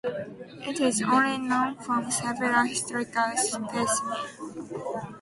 It is only known from several historical specimens.